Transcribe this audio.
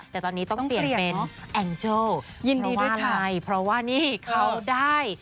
แต่ตอนนี้ต้องเปลี่ยนเป็นแองเชิลยินดีด้วยอะไรเพราะว่านี่เขาได้